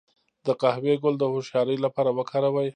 د قهوې ګل د هوښیارۍ لپاره وکاروئ